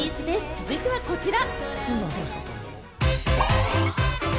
続いてはこちら。